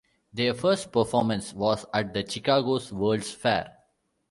Their first performance was at the Chicago's World's Fair.